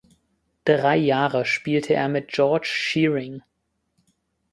Drei Jahre spielte er mit George Shearing.